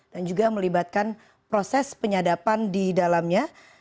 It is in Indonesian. dan juga melibatkan proses penyadapan di dalamnya